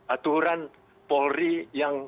aturan polri yang